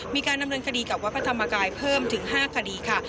มีการดำเนินคดีกับวัดพระธรรมกายเพิ่มถึง๕คดีค่ะ